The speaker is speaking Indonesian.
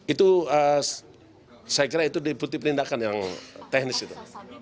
itu saya kira itu diputih perlindakan yang teknis itu